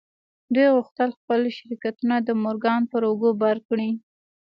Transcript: دوی غوښتل خپل شرکتونه د مورګان پر اوږو بار کړي.